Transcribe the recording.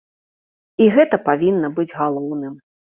І гэта павінна быць галоўным.